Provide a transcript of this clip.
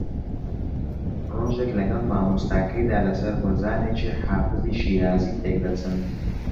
ڕۆژێک لەگەڵ مامۆستاکەیدا لەسەر ھۆزانێکی حافزی شیرازی تێکدەچن